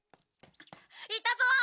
いたぞー！